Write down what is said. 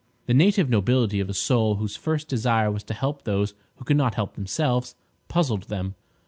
The native nobility of a soul whose first desire was to help those who could not help themselves, puzzled them.